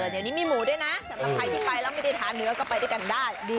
เดี๋ยวนี้มีหมูด้วยนะสำหรับใครที่ไปแล้วไม่ได้ทานเนื้อก็ไปด้วยกันได้